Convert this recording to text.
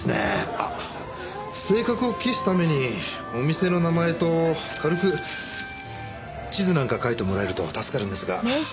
あっ正確を期すためにお店の名前と軽く地図なんか描いてもらえると助かるんですが。